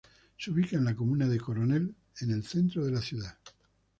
Se ubica en la comuna de Coronel, en el centro de la ciudad.